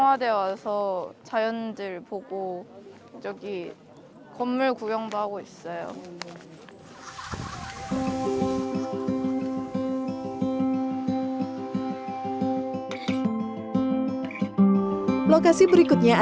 sebagai elemen penting japsang telah menjadi elemen penting dalam arsitektur bangunan istana kerajaan